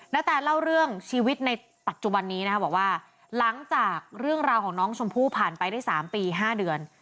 แตนเล่าเรื่องชีวิตในปัจจุบันนี้นะครับบอกว่าหลังจากเรื่องราวของน้องชมพู่ผ่านไปได้๓ปี๕เดือน